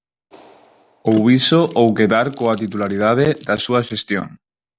Ou iso ou quedar coa titularidade da súa xestión.